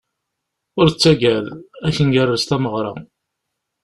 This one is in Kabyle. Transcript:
Ur ttagad, ad ak-ngerrez tameɣra.